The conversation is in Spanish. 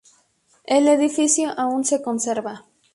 El edificio aún se conserva.